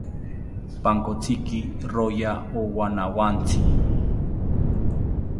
Pankotziki roya owanawontzi